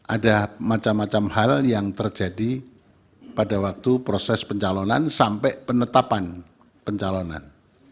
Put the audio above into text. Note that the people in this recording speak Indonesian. ada macam macam hal yang terjadi pada waktu proses pencalonan sampai penetapan pencalonan